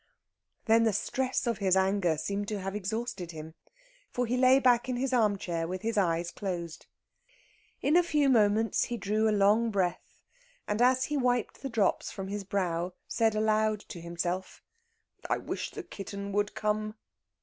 Then the stress of his anger seemed to have exhausted him, for he lay back in his armchair with his eyes closed. In a few moments he drew a long breath, and as he wiped the drops from his brow, said aloud to himself: "I wish the kitten would come."